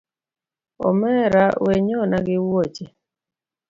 Omera wenyona gi wuoche